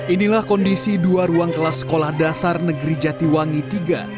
inilah kondisi dua ruang kelas sekolah dasar negeri jatiwangi iii